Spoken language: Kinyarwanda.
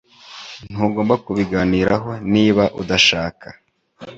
Ntugomba kubiganiraho niba udashaka